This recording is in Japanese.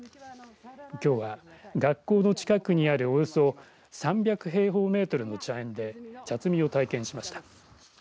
きょうは学校の近くにあるおよそ３００平方メートルの茶園で茶摘みを体験しました。